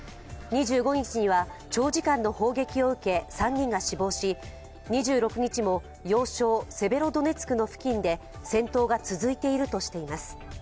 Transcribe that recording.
２５日には長時間の砲撃を受け、３人が死亡し２６日も要衝セベロドネツクの付近で戦闘が続いているとしています。